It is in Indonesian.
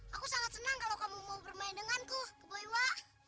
aku sangat senang kalau kamu mau bermain denganku kemewa